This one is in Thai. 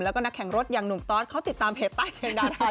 และการนักแข่งรถอย่างหนุ่มทอศชอบเทปใต้เชียงดารามด้วยเพราะค่ะ